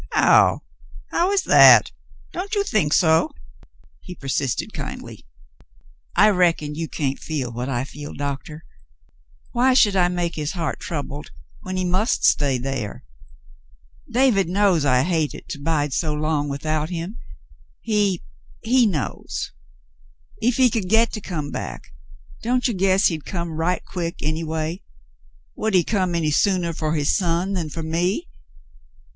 "How — how is that? Don't you think so?" he per sisted kindly. "I reckon you can't feel what I feel, Doctor. Why should I make his heart troubled when he must stay there ? Frale again Returns 255 David knows I hate it to bide so long without him. He —■ he knows. If he could get to come back, don't you guess he'd come right quick, anyway ? Would he come any sooner for his son than for me.'